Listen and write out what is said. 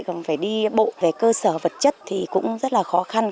còn phải đi bộ về cơ sở vật chất thì cũng rất là khó khăn